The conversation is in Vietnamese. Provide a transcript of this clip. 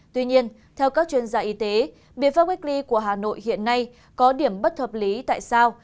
tuy nhiên theo các chuyên gia y tế biện pháp cách ly của hà nội hiện nay có điểm bất hợp lý tại sao